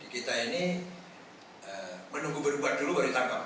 kita ini menunggu berubah dulu baru ditangkap